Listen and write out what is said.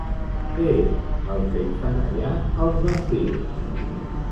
Què és el que hi fan allà els vampirs?